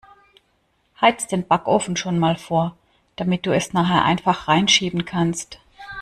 Heiz' den Backofen schon mal vor, damit du es nachher einfach 'reinschieben kannst.